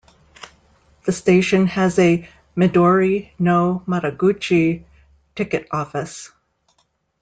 The station has a "Midori no Madoguchi" ticket office.